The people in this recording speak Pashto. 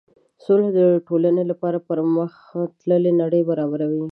سوله د ټولنې لپاره پرمخ تللې نړۍ برابروي.